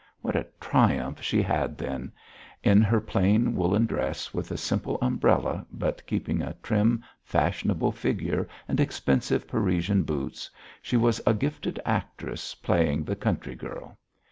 What a triumph she had then! In her plain, woollen dress, with a simple umbrella, but keeping a trim, fashionable figure and expensive, Parisian boots she was a gifted actress playing the country girl.